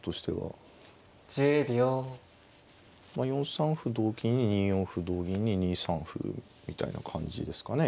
４三歩同金に２四歩同銀に２三歩みたいな感じですかね